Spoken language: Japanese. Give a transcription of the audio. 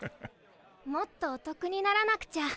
もっとおとくにならなくちゃ。